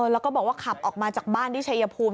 แล้วก็บอกว่าขับออกมาจากบ้านที่ชายภูมิ